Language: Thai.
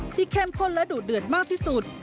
เข้มข้นและดุเดือดมากที่สุด